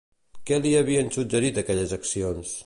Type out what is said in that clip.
Què l'hi havien suggerit aquelles accions?